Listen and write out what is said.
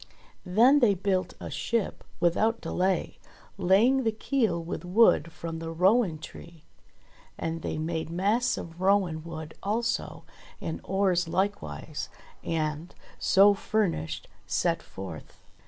Then they built a ship without delay, laying the keel with wood from the rowan tree. And they made masts of rowan wood also, and oars likewise ; and, so furnished, set forth.